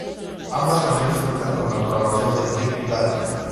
Ambas canciones cuentan con la colaboración de Trick Daddy.